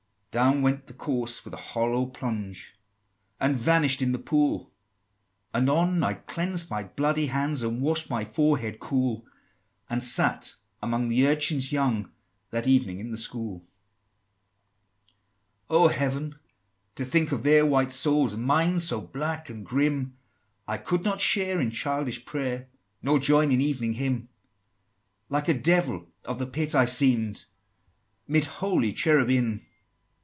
"Down went the corse with a hollow plunge, And vanish'd in the pool; Anon I cleansed my bloody hands, And wash'd my forehead cool, And sat among the urchins young, That evening in the school." XXIII. "Oh, Heaven! to think of their white souls, And mine so black and grim! I could not share in childish prayer, Nor join in Evening Hymn: Like a Devil of the Pit I seem'd, 'Mid holy Cherubim!"